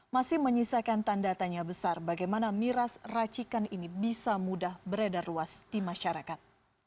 masih menyisakan tanda tanya besar bagaimana miras racikan ini bisa mudah beredar luas di masyarakat